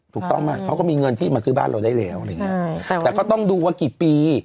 ถูกต้องมากเขาก็มีเงินที่มาซื้อบ้านเราได้แล้วแต่ว่าต้องดูว่ากี่ปี